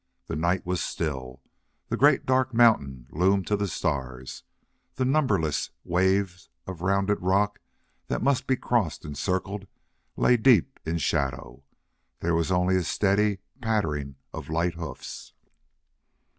The night was still; the great dark mountain loomed to the stars; the numberless waves of rounded rock that must be crossed and circled lay deep in shadow. There was only a steady pattering of light hoofs.